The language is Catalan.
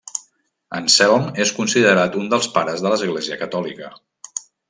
Anselm és considerat un dels pares de l'Església catòlica.